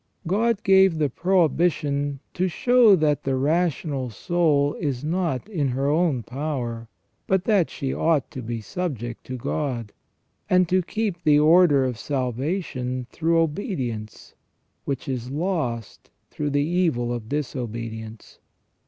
God gave the prohibition to show that the rational soul is not in her own power, but that she ought to be subject to God, and to keep the order of salvation through obedience, which is lost through the evil of disobedience.